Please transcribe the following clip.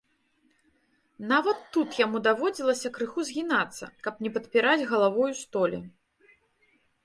Нават тут яму даводзілася крыху згінацца, каб не падпіраць галавою столі.